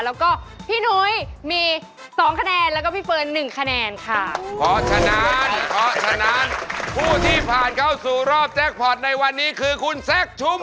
แล้วก็พี่นุ้ยมี๒คะแนนแล้วก็พี่เฟิร์น๑คะแนนค่ะ